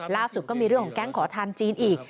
ล่าสุดก็มีเรื่องของแก๊งขอทานจีนอีก